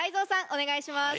お願いします。